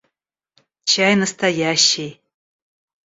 Чай настоящий!